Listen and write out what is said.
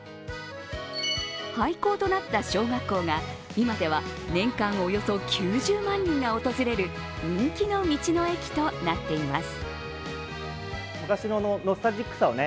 廃校となった小学校が今では年間およそ９０万人が訪れる人気の道の駅となっています。